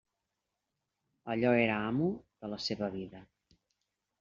Allí era amo de la seua vida.